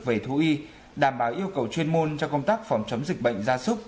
về thú y đảm bảo yêu cầu chuyên môn cho công tác phòng chống dịch bệnh ra súc